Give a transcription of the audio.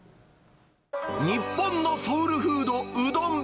日本のソウルフード、うどん。